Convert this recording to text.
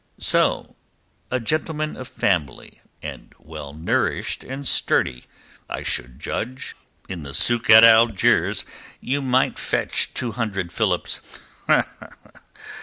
"So! A gentleman of family! And well nourished and sturdy, I should judge. In the sôk at Algiers you might fetch two hundred philips.